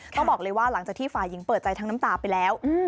ต้องบอกเลยว่าหลังจากที่ฝ่ายหญิงเปิดใจทั้งน้ำตาไปแล้ว